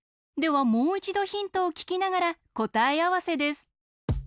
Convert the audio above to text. ではもういちどヒントをききながらこたえあわせです。